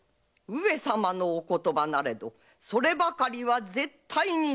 上様のお言葉なれどそればかりは絶対になりませぬ！